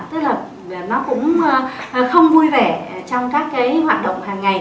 tức là nó cũng không vui vẻ trong các cái hoạt động hàng ngày